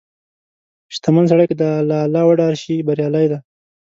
• شتمن سړی که له الله وډار شي، بریالی دی.